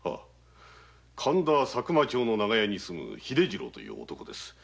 神田佐久間町に住む秀次郎という男です。